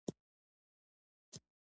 رښتيا ووايه.